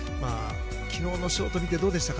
昨日のショートを見てどうでしたか？